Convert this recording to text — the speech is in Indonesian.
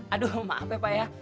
aduh maaf ya pak ya